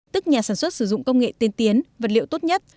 tức nhà sản xuất sử dụng công nghệ tiên tiến vật liệu tốt nhất